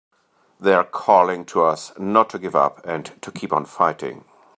They're calling to us not to give up and to keep on fighting!